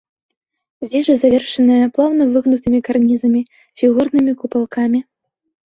Вежы завершаныя плаўна выгнутымі карнізамі, фігурнымі купалкамі.